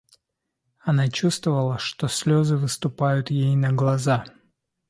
Она чувствовала, что слезы выступают ей на глаза.